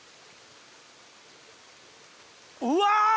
うわ！